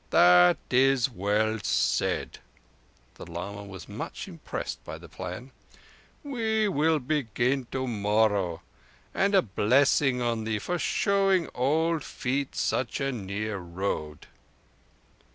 "That is well said." The lama was much impressed by the plan. "We will begin tomorrow, and a blessing on thee for showing old feet such a near road."